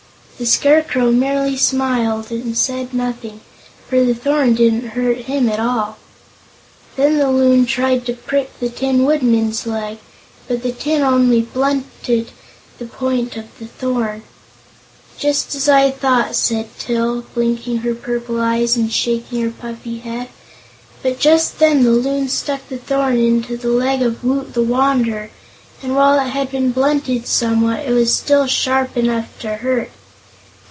The Scarecrow merely smiled and said nothing, for the thorn didn't hurt him at all. Then the Loon tried to prick the Tin Woodman's leg, but the tin only blunted the point of the thorn. "Just as I thought," said Til, blinking her purple eyes and shaking her puffy head; but just then the Loon stuck the thorn into the leg of Woot the Wanderer, and while it had been blunted somewhat, it was still sharp enough to hurt.